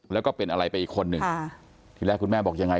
แล้วก็เป็นอะไรไปอีกคนหนึ่งค่ะทีแรกคุณแม่บอกยังไง